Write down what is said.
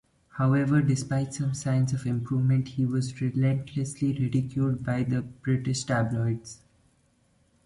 However, despite some signs of improvement, he was relentlessly ridiculed by the British tabloids.